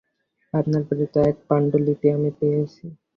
আপনার প্রেরিত এক পাণ্ডুলিপি আমি পেয়েছি।